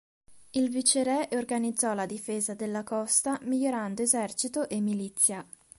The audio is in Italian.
Il viceré organizzò la difesa della costa migliorando esercito e milizia.